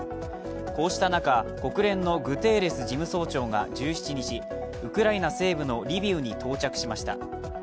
こうした中、国連のグテーレス事務総長が１７日ウクライナ西部のリビウに到着しました。